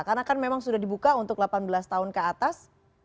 karena kan memang sudah dibuka untuk delapan belas tahun ke atas